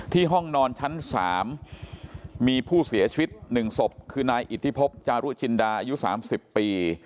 ห้องนอนชั้น๓มีผู้เสียชีวิต๑ศพคือนายอิทธิพบจารุจินดาอายุ๓๐ปี